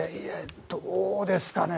どうですかね。